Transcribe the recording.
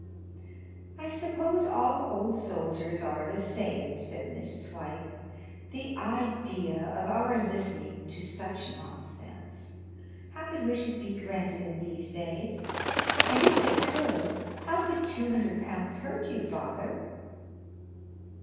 "I suppose all old soldiers are the same," said Mrs. White. "The idea of our listening to such nonsense! How could wishes be granted in these days? And if they could, how could two hundred pounds hurt you, father?"